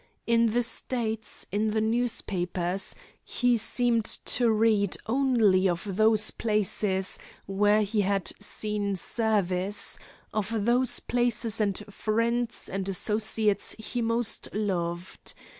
In the States, in the newspapers he seemed to read only of those places where he had seen service, of those places and friends and associates he most loved.